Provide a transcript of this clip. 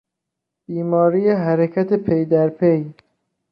بیماری حرکت پیدرپی